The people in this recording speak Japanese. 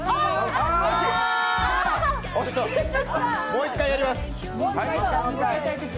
もう１回やります！